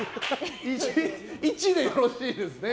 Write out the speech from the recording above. １でよろしいですね。